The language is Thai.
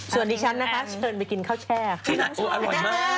ส่วนนี้ฉันนะฮะเชิญไปกินข้าวแช่